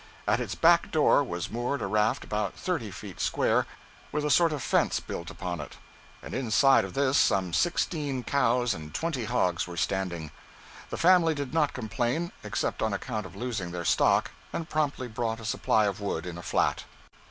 At its back door was moored a raft about thirty feet square, with a sort of fence built upon it, and inside of this some sixteen cows and twenty hogs were standing. The family did not complain, except on account of losing their stock, and promptly brought a supply of wood in a flat.